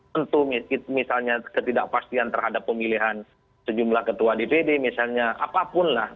tentu misalnya ketidakpastian terhadap pemilihan sejumlah ketua dpd misalnya apapun lah